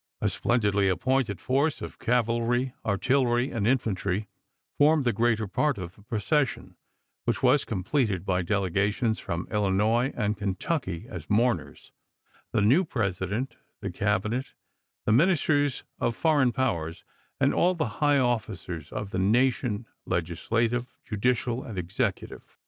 A splendidly appointed force of cavalry, artillery, and infantry formed the greater part of the procession, which was com pleted by delegations from Illinois and Kentucky as mourners, the new President, the Cabinet, the ministers of foreign powers, and all the high officers of the nation, legislative, judicial, and executive.